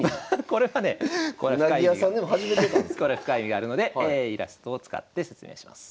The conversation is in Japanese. これは深い意味があるのでイラストを使って説明します。